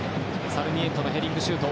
サルミエントのヘディングシュート。